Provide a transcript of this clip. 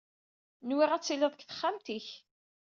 Nwiɣ ad tiliḍ deg texxamt-ik.